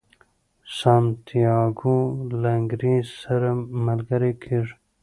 سانتیاګو له انګریز سره ملګری کیږي.